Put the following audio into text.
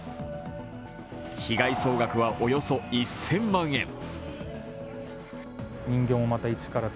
被害総額はおよそ１０００万円。